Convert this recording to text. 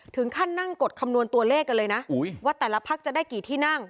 ถึงขั้นนั่งกดคำนวณตัวเลขกันเลยนะว่าแต่ละพักจะได้กี่ที่นั่ง